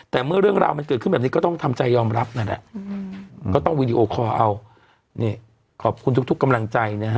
แต่เมื่อเรื่องราวมันเกิดขึ้นแบบนี้ก็ต้องทำใจยอบรับก็ต้องวีดีโอกรอขอบคุณทุกกำลังใจ